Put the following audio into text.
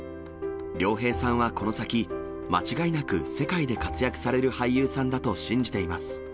亮平さんはこの先、間違いなく世界で活躍される俳優さんだと信じています。